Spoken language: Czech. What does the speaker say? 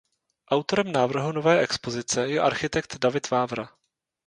Autorem návrhu nové expozice je architekt David Vávra.